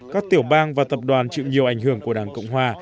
các tiểu bang và tập đoàn chịu nhiều ảnh hưởng của đảng cộng hòa